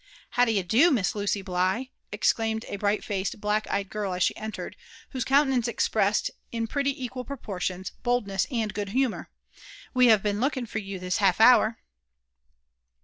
How d'ye do. Miss Lucy Bligh?" exclaimed a bright faced, black eyed girl as she entered, whose countenance expressed, in pretty equa proportions, boldness and good humour: '' we have been looking for you this half hour."